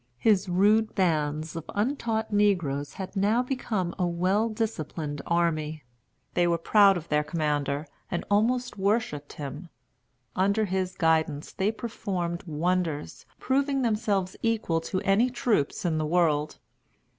His rude bands of untaught negroes had now become a well disciplined army. They were proud of their commander, and almost worshipped him. Under his guidance, they performed wonders, proving themselves equal to any troops in the world.